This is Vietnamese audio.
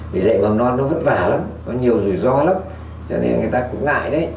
vì vậy bầm non nó vất vả lắm nó nhiều rủi ro lắm cho nên là người ta cũng ngại đấy